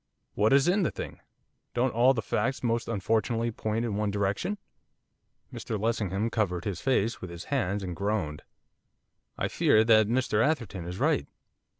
What is in the thing? don't all the facts most unfortunately point in one direction?' Mr Lessingham covered his face with his hands, and groaned. 'I fear that Mr Atherton is right.